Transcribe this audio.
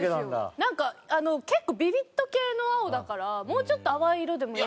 なんか結構ビビッド系の青だからもうちょっと淡い色でもいい。